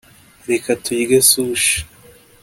reka turye sushi